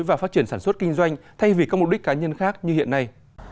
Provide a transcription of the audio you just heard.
và phát triển sản xuất kinh doanh thay vì các mục đích cá nhân khác như hiện nay